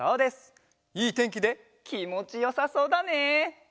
いいてんきできもちよさそうだね！